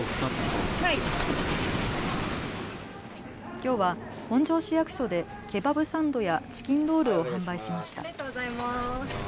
きょうは本庄市役所でケバブサンドやチキンロールを販売しました。